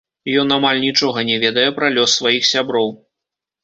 Ён амаль нічога не ведае пра лёс сваіх сяброў.